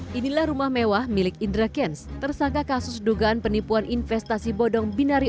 inilah rumah mewah milik indra kents tersangka kasus dugaan penipuan investasi bodong binari